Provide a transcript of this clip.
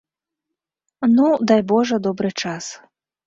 Ну, дай, божа, добры час.